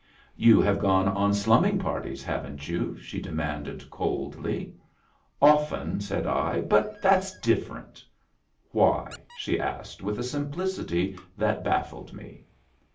"You have gone on slumming parties, haven't you?" she demanded coldly. "Often," said I. "But that's different." "Why?" she asked, with a simplicity that baffled me.